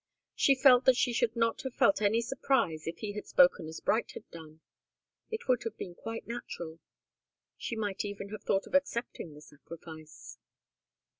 She felt that she should not have felt any surprise if he had spoken as Bright had done. It would have been quite natural. She might even have thought of accepting the sacrifice.